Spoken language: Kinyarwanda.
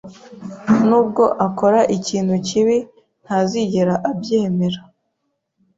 Nubwo akora ikintu kibi, ntazigera abyemera.